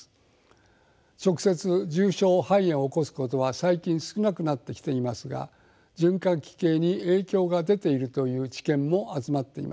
直接重症肺炎を起こすことは最近少なくなってきていますが循環器系に影響が出ているという知見も集まっています。